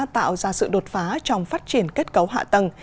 tạo ra sự đột phá trong phát triển kết cấu hạ tầng